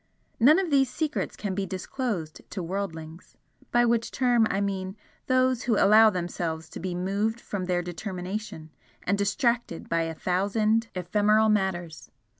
None of these secrets can be disclosed to worldlings by which term I mean those who allow themselves to be moved from their determination, and distracted by a thousand ephemeral matters.